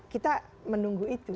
kita menunggu itu